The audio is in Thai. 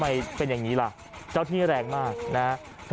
อย่างนี้ล่ะเจ้าที่แรงมากนะครับ